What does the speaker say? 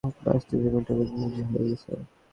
এমনিতেও ঝুনঝুনা বাজাতে বাজাতে, জীবনটাই ঝুনঝুনি হয়ে গেছে।